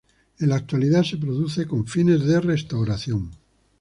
En la actualidad se produce con fines de restauración.